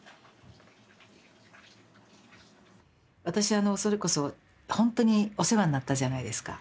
私それこそほんとにお世話になったじゃないですか。